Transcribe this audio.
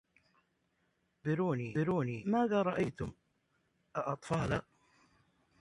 خبروني ماذا رأيتم أأطفالا